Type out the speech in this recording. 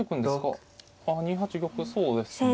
あ２八玉そうですね。